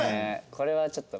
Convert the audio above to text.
これはちょっと。